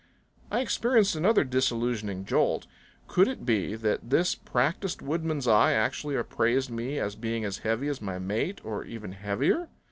I experienced another disillusioning jolt. Could it be that this practiced woodsman's eye actually appraised me as being as heavy as my mate, or even heavier?